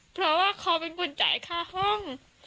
เพราะว่าเขาเป็นคนจ่ายค่าห้อง